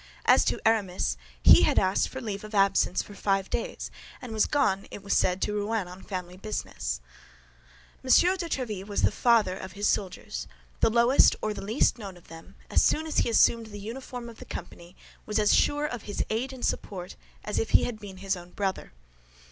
As to Aramis, he had asked for leave of absence for five days, and was gone, it was said, to Rouen on family business. M. de Tréville was the father of his soldiers. The lowest or the least known of them, as soon as he assumed the uniform of the company, was as sure of his aid and support as if he had been his own brother.